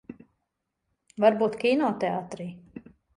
Varbūt kinoteātrī?